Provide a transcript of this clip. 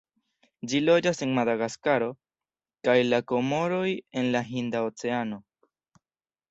Ĝi loĝas en Madagaskaro kaj la Komoroj en la Hinda Oceano.